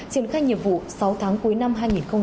triển khai nhiệm vụ sáu tháng cuối năm hai nghìn một mươi chín